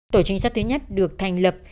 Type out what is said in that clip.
tổ trinh sát thứ nhất được thành lập